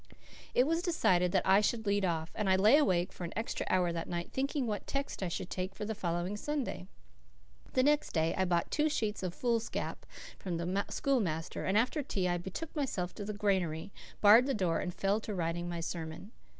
It was decided that I should lead off, and I lay awake for an extra hour that night thinking what text I should take for the following Sunday. The next day I bought two sheets of foolscap from the schoolmaster, and after tea I betook myself to the granary, barred the door, and fell to writing my sermon.